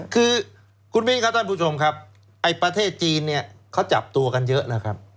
๒ล้านด้วยไหมคือคุณผู้ชมครับไอ้ประเทศจีนเนี่ยเขาจับตัวกันเยอะนะครับ